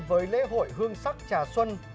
với lễ hội hương sắc trà xuân